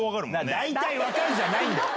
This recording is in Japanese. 大体分かるじゃないんだよ。